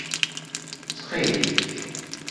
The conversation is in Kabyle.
Ttxil-k.